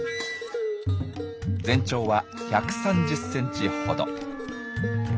全長は１３０ｃｍほど。